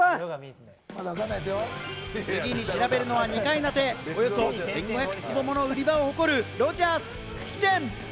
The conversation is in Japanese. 次に調べるのは２階建て、およそ１５００坪もの売り場を誇るロヂャース久喜店。